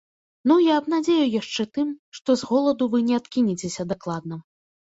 Ну, я абнадзею яшчэ тым, што з голаду вы не адкінецеся дакладна.